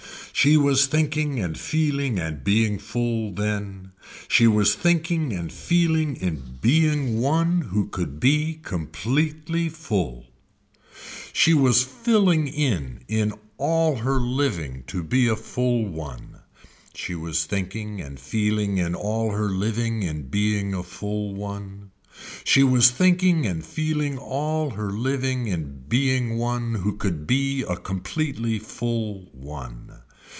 She was thinking and feeling and being full then. She was thinking and feeling in being one who could be completely full. She was filling in in all her living to be a full one, she was thinking and feeling in all her living in being a full one. She was thinking and feeling all her living in being one who could be a completely full one.